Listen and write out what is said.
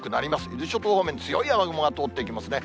伊豆諸島方面、強い雨雲が通っていきますね。